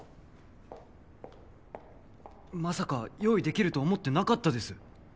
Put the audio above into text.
まさか用意できると思ってなかったです。